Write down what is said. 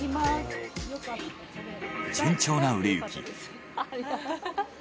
順調な売れ行き。